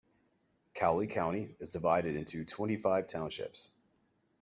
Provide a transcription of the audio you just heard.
Cowley County is divided into twenty-five townships.